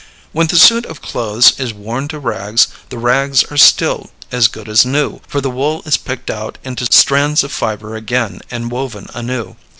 When the suit of clothes is worn to rags, the rags are still as good as new, for the wool is picked out into strands of fiber again and woven anew.